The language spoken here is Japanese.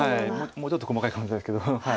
もうちょっと細かい可能性あるけど。